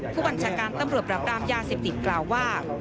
ผู้บัญชาการตำรวจปราบรามยาเสพติดกล่าวว่า